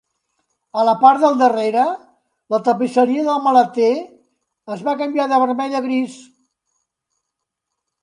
A la part del darrere, la tapisseria del maleter es va canviar de vermell a gris.